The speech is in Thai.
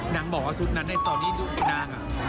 นางบอกว่าชุดนั้นไอซอร์นี่ดูให้นางอ่ะ